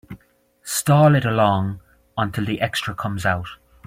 Stall it along until the extra comes out.